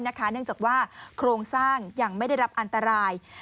เนื่องจากว่าโครงสร้างยังไม่ได้รับอันตราย